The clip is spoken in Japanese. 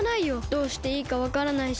どうしていいかわからないし。